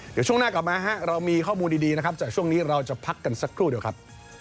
เดี๋ยวช่วงหน้ากลับมาฮะเรามีข้อมูลดีนะครับจากช่วงนี้เราจะพักกันสักครู่เดียวครับ